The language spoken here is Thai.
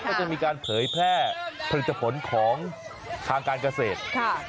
ก็จะมีการเผยแพร่ผลิตผลของทางการเกษตร